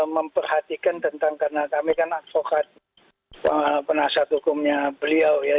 memperhatikan tentang karena kami kan advokat penasihat hukumnya beliau ya